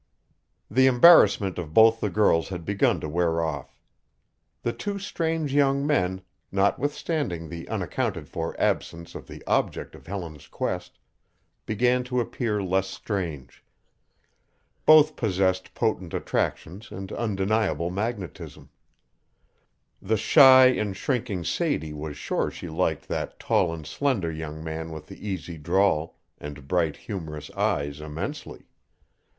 The embarrassment of both the girls had begun to wear off. The two strange young men, notwithstanding the unaccounted for absence of the object of Helen's quest, began to appear less strange. Both possessed potent attractions and undeniable magnetism. The shy and shrinking Sadie was sure she liked that tall and slender young man with the easy drawl and bright, humorous eyes immensely.